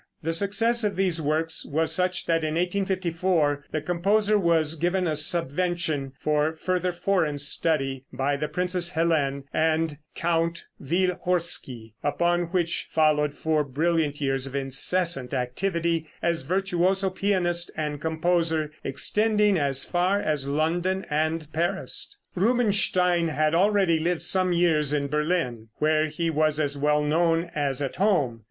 The success of these works was such that in 1854 the composer was given a subvention for further foreign study by the Princess Helene and Count Wielhorski, upon which followed four brilliant years of incessant activity as virtuoso pianist and composer, extending as far as London and Paris. Rubinstein had already lived some years in Berlin, where he was as well known as at home.